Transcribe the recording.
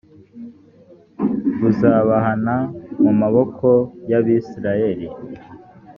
b uzabahana mu maboko y abisirayeli